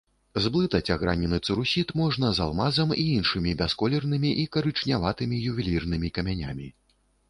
Зблытаць агранены цэрусіт можна з алмазам і іншымі бясколернымі і карычняватымі ювелірнымі камянямі.